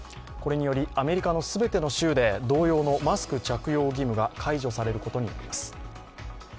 これにより、アメリカの全ての州で同様のマスク着用義務が解除されることになります。